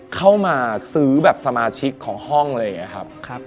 เข้ามาซื้อแบบสมาชิกของห้องอะไรอย่างนี้ครับ